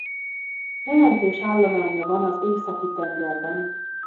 Jelentős állománya van az Északi-tengerben.